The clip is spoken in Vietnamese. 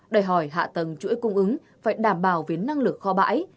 đòi hỏi hạ tầng chuỗi cung ứng phải đảm bảo về năng lực kho bãi